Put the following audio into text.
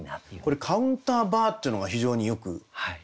これ「カウンターバー」っていうのが非常によく効いてましたね。